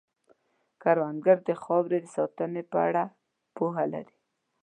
کروندګر د خاورې د ساتنې په اړه پوهه لري